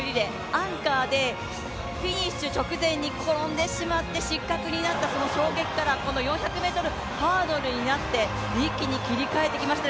アンカーでフィニッシュ直前に転んでしまって失格になってしまったその衝撃からこの４００ｍハードルになって一気に切り替えてきました。